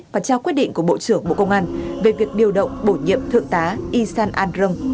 và trao quyết định của bộ trưởng bộ công an về việc điều động bổ nhiệm thượng tá isan andron